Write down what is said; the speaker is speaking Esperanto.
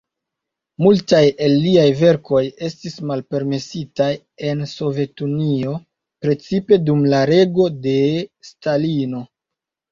Multaj el liaj verkoj estis malpermesitaj en Sovetunio, precipe dum la rego de Stalino.